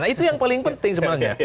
nah itu yang paling penting sebenarnya